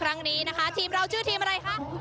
ครั้งนี้นะคะทีมเราชื่อทีมอะไรคะ